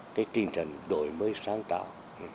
cái tinh thần đổi mới sáng tạo